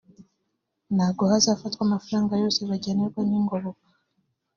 ntabwo hazafatwa amafaranga yose bagenerwa nk’ingoboka